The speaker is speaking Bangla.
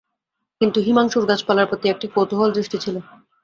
কিন্তু হিমাংশুর গাছপালার প্রতি একটি কৌতূহলদৃষ্টি ছিল।